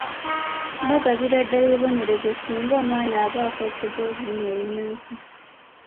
Bagabira ddala ebibonerezo singa omwana aba akozesezza olulimi olunnansi.